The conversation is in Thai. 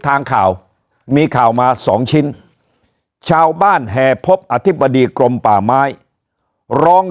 ทางข่าวมีข่าวมาสองชิ้นชาวบ้านแห่พบอธิบดีกรมป่าไม้ร้อง